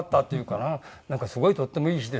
なんかすごいとってもいい日ですよ。